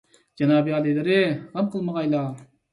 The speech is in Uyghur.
جانابىي ئالىيلىرى، غەم قىلمىغايلا.